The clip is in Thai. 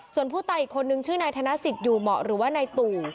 ส่วนผู้ตายอีกคนนึงชื่อนายธนสิทธิ์อยู่เหมาะหรือว่านายตู่